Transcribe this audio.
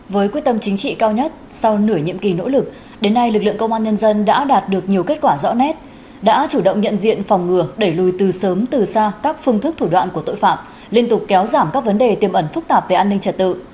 với quyết tâm chính trị cao nhất sau nửa nhiệm kỳ nỗ lực đến nay lực lượng công an nhân dân đã đạt được nhiều kết quả rõ nét đã chủ động nhận diện phòng ngừa đẩy lùi từ sớm từ xa các phương thức thủ đoạn của tội phạm liên tục kéo giảm các vấn đề tiềm ẩn phức tạp về an ninh trật tự